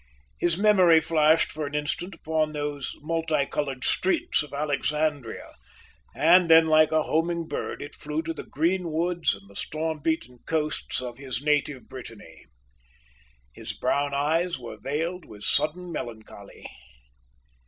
His memory flashed for an instant upon those multi coloured streets of Alexandria; and then, like a homing bird, it flew to the green woods and the storm beaten coasts of his native Brittany. His brown eyes were veiled with sudden melancholy.